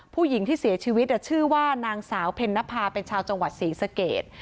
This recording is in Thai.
ผู้หญิงที่เสียชีวิตชื่อว่านางสาวเพ็ญนภาเป็นชาวจังหวัดศรีสเกต